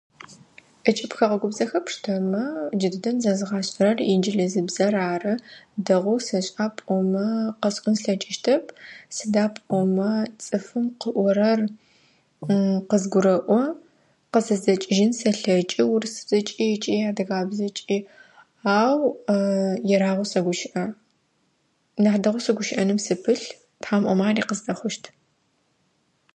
Ӏэкӏыб хэгъэгубзэхэ пштэмэ джыдэдэм зэзгъашӏэрэр инджылызыбзэр ары, дэгъуэу сэшӏа пӏомэ къэсӏон слъэкӏыщтэп, сыда пӏомэ цӏыфым къыӏорэр къызгурэӏо, къызэсдзэкӏыжьын сэлъэкӏы урысыбзэкӏи ыкӏи адыгабзэкӏи ау ерагъуэу сэгущыӏэ, нахь дэгъуэу сыгущыӏэным сыпылъ, Тхьам ӏомэ ари къыздэхъущт.